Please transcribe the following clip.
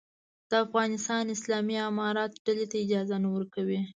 د افغانستان اسلامي امارت ډلې ته اجازه نه ورکوي.